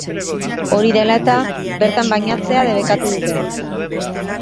Hori dela eta, bertan bainatzea debekatu dute.